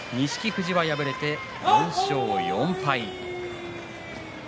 富士は敗れて４勝４敗。